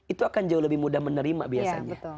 itu akan jauh lebih mudah menerima biasanya